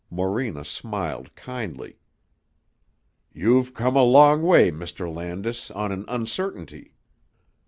Morena smiled kindly. "You've come a long way, Mr. Landis, on an uncertainty."